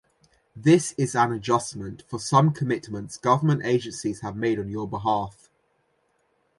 This is an adjustment for some commitments government agencies have made on your behalf.